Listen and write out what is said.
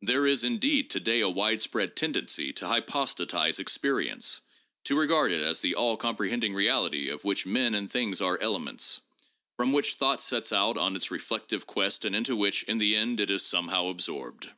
There is, indeed, to day a widespread tendency to hypostatize experience, to regard it as the all comprehending reality of which men and things are elements, from which thought sets out on its reflective quest and into which in the end it is somehow absorbed.